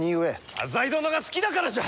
浅井殿が好きだからじゃ！